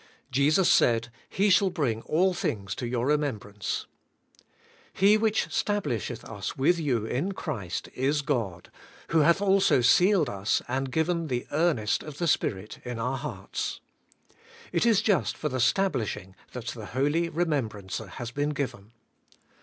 Jesus said, 'He shall bring all things to your remembrance.' *He which stablislieth i>s with you in Christ is God, who hath also sealed us, and given the earnest of the Spirit in our hearts.'* It is just for the stablishing that the Holy Eemem brancer has been given.